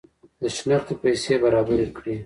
د شنختې پیسې برابري کړي.